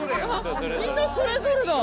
みんなそれぞれだ！